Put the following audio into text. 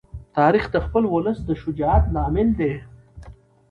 تاریخ د خپل ولس د شجاعت لامل دی.